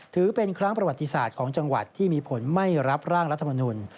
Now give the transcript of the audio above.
ถือเป็นครั้งประวัติศาสตร์ของจังหวัดที่มีผลไม่รับร่างรัฐมนุน